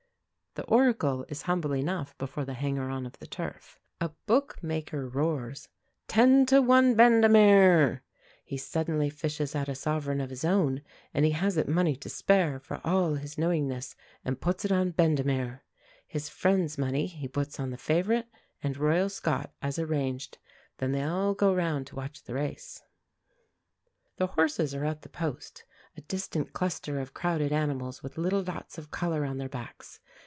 The Oracle is humble enough before the hanger on of the turf. A bookmaker roars "10 to 1 Bendemeer;" he suddenly fishes out a sovereign of his own and he hasn't money to spare, for all his knowingness and puts it on Bendemeer. His friends' money he puts on the favourite and Royal Scot as arranged. Then they all go round to watch the race. The horses are at the post; a distant cluster of crowded animals with little dots of colour on their backs.